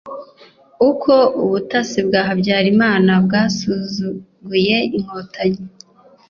Uko ubutasi bwa Habyarimana bwasuzuguye Inkotanyi,